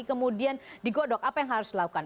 kemudian digodok apa yang harus dilakukan